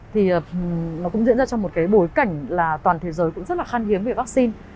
thì nó cũng diễn ra trong một cái bối cảnh là toàn thế giới cũng rất là khan hiếm về vaccine